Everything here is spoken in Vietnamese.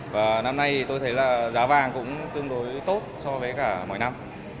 và năm nay thì tôi thấy là giá vàng cũng tương đối tốt so với cả mọi năm